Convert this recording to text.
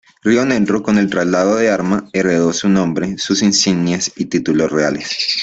Rionegro, con el traslado de Arma, heredó su nombre, sus insignias y títulos reales.